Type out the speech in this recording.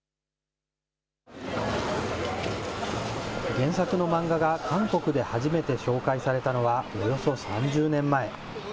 原作の漫画が韓国で初めて紹介されたのは、およそ３０年前。